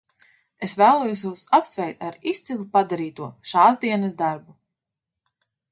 Es vēlos jūs apsveikt ar izcili padarīto šāsdienas darbu.